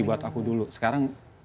buat aku dulu sekarang